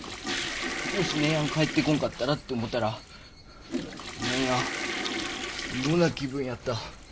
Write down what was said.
もし姉やん帰ってこんかったらって思うたら何や妙な気分やった。